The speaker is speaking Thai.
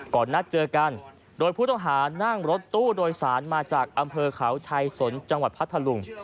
ก่อนนัดเจอกันโดยผู้ต้องหานั่งรถตู้โดยสารมาจากอำเภอเขาชายสนจังหวัดพัทธลุง